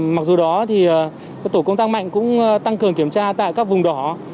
mặc dù đó thì tổ công tác mạnh cũng tăng cường kiểm tra tại các vùng đỏ